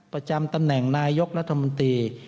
ประจำตำแหน่งนายกรัฐมนตรี